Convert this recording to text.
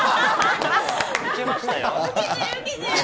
ウケましたよ。